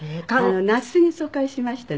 那須に疎開しましてね